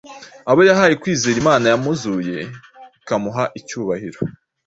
abo yahaye kwizera imana yamuzuye, ikamuha icyubahiro;